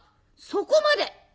そこまで。